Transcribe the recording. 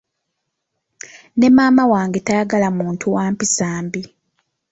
Ne maama wange tayagala muntu wa mpisa mbi.